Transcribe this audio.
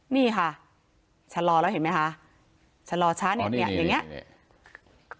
นี่ค่ะชะลอแล้วเห็นไหมคะชะลอช้าเนี่ยเนี่ยเนี่ยเนี่ยเนี่ย